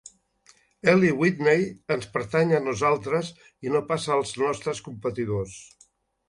Eli Whitney ens pertany a nosaltres i no pas als nostres competidors.